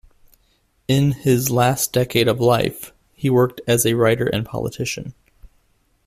In his last decade of life, he worked as a writer and politician.